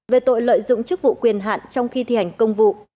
về tội lợi dụng chức vụ quyền hạn trong khi thi hành công vụ